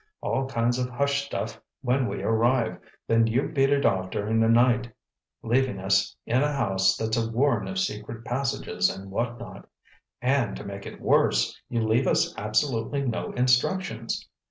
All kinds of hush stuff when we arrive, then you beat it off during the night, leaving us in a house that's a warren of secret passages and what not—and to make it worse, you leave us absolutely no instructions.